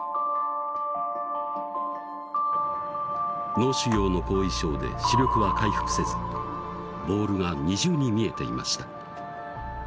脳腫瘍の後遺症で視力は回復せずボールが二重に見えていました